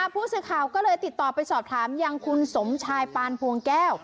ผู้สื่อข่าวก็เลยติดต่อไปสอบถามยังคุณสมชายปานพวงแก้ว